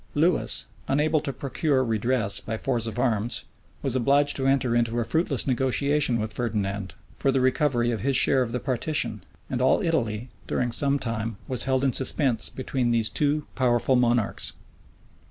Lewis, unable to procure redress by force of arms, was obliged to enter into a fruitless negotiation with Ferdinand for the recovery of his share of the partition; and all Italy, during some time, was held in suspense between these two powerful monarchs.